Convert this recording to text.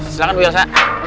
silahkan gua elsa